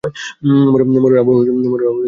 মরুর আভা খুবই আকর্ষণীয় হয়।